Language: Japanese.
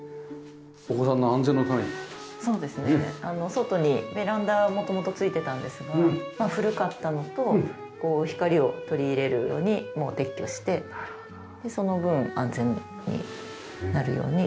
外にベランダが元々ついてたんですが古かったのと光を採り入れるのにもう撤去してその分安全になるように使ってます。